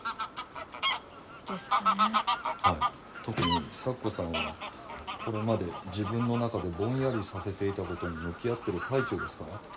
特に咲子さんはこれまで自分の中でぼんやりさせていたことに向き合ってる最中ですから。